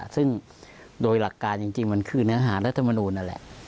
ซึ่งโดยหลักการจริงมันคือเนื้อหารัฐมนูลนั่นแหละ